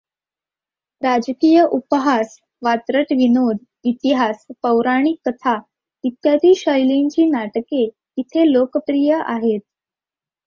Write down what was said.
राजकीय उपहास, वात्रट विनोद, इतिहास, पौराणिक कथा इत्यादी शैलींची नाटके इथे लोकप्रिय आहेत.